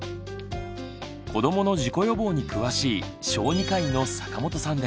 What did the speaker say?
子どもの事故予防に詳しい小児科医の坂本さんです。